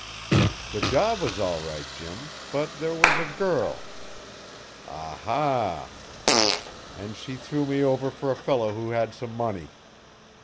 "The job was all right, Jim. But there was a girl " "Ah, ha!" "And she threw me over for a fellow who had some money.